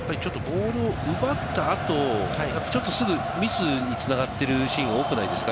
ボールを奪った後、ちょっとすぐミスに繋がっているシーンが多くないですか？